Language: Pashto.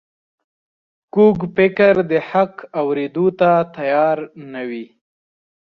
کوږ فکر د حق اورېدو ته تیار نه وي